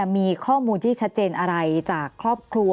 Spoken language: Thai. มีข้อมูลที่ชัดเจนอะไรจากครอบครัว